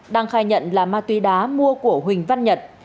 đang khai nhận là ma túy đá mua của huỳnh văn nhật